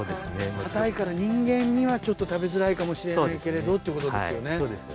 硬いから人間には食べづらいかもしれないけれどってことですよね。